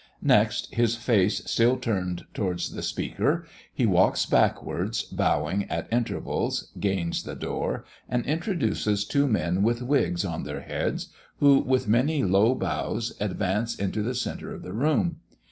Next, his face still turned towards the Speaker, he walks backwards, bowing at intervals, gains the door, and introduces two men with wigs on their heads, who, with many low bows, advance into the centre of the room.